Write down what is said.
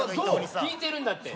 聞いてるんだって。